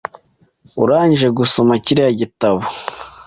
Urangije gusoma kiriya gitabo?